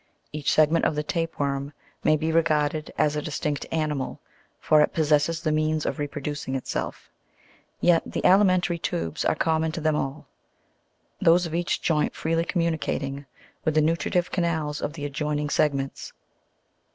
Each segment of the tape worm may be regarded as a distinct animal, for it possesses the means of reproducing itself; yet the alimentary tubes are common to them all, those of each joint freely com municating with the nutritive canals of the adjoining segments.